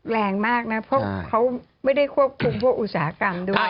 แรงมากนะเพราะเขาไม่ได้ควบคุมพวกอุตสาหกรรมด้วย